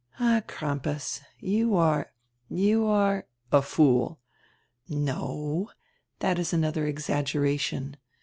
"All, Crampas, you are — you are —" "A fool." "No. That is another exaggeration.